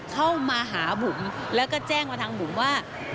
เข้ามาหาบุ๋มแล้วก็แจ้งมาทางบุ๋มว่า